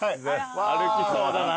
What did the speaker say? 歩きそうだな。